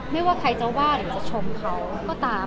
ไม่ว่าใครจะว่าหรือจะชมเขาก็ตาม